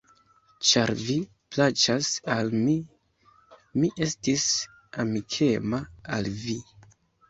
Ĉar vi plaĉas al mi; mi estis amikema al vi.